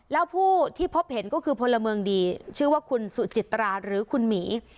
แล้วผู้ที่พบเห็นก็คือพลเมืองดีชื่อว่าคุณสุจิตราหรือคุณหมี